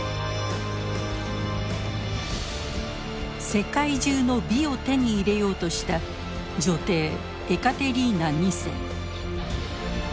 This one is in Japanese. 世界中の美を手に入れようとした女帝エカテリーナ２世。